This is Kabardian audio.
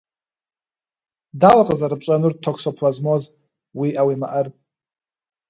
Дауэ къызэрыпщӏэнур токсоплазмоз уиӏэ-уимыӏэр?